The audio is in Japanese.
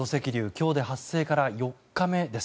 今日で発生から４日目です。